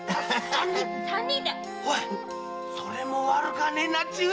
おいそれも悪かねえな忠太！